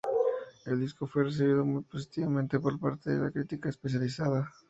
El disco fue recibido muy positivamente por parte de la crítica especializada.